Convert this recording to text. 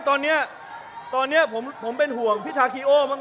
คุณจิลายุเขาบอกว่ามันควรทำงานร่วมกัน